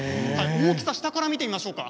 大きさ、下から見てみましょうか。